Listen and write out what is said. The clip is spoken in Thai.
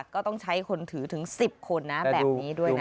ก็ต้องใช้คนถือถึง๑๐คนนะแบบนี้ด้วยนะ